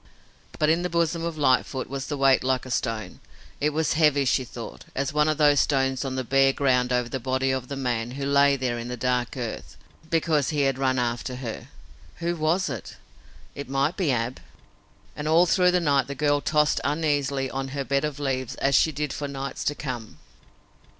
But in the bosom of Lightfoot was a weight like a stone. It was as heavy, she thought, as one of the stones on the bare ground over the body of the man who lay there in the dark earth, because he had run after her. Who was it? It might be Ab! And all through the night the girl tossed uneasily on her bed of leaves, as she did for nights to come.